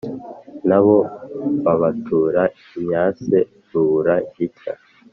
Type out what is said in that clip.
na bo babatura imyase rubura gica,